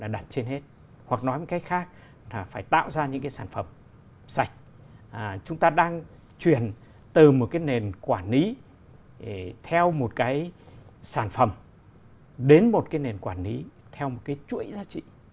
đến một nền quản lý theo một chuỗi giá trị